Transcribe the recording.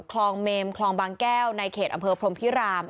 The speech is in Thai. คลองเมมคลองบางแก้วในเขตอำเภอพรมพิราม